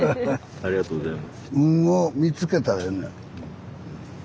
ありがとうございます。